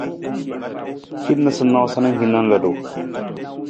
Hin noosanoosa na hiwung na ludu.